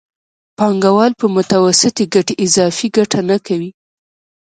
پانګوال په متوسطې ګټې اضافي ګټه نه کوي